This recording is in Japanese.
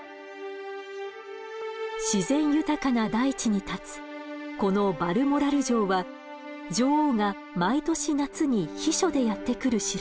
自然豊かな大地に立つこのバルモラル城は女王が毎年夏に避暑でやって来る城です。